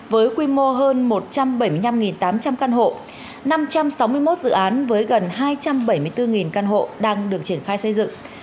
với quy mô hơn một trăm bảy mươi năm tám trăm linh căn hộ năm trăm sáu mươi một dự án với gần hai trăm bảy mươi bốn căn hộ đang được triển khai xây dựng